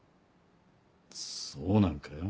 そうなんか？